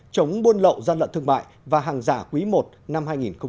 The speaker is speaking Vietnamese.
chống buôn lậu gian lận thương mại và hàng giả quý i năm hai nghìn một mươi chín